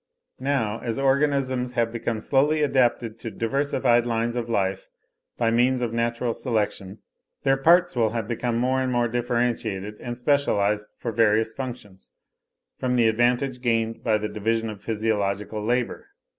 Now as organisms have become slowly adapted to diversified lines of life by means of natural selection, their parts will have become more and more differentiated and specialised for various functions from the advantage gained by the division of physiological labour.